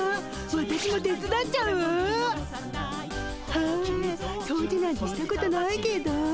はあ掃除なんてしたことないけど。